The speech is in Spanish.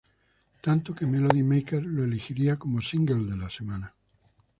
Tanto, que Melody Maker lo elegiría como single de la semana.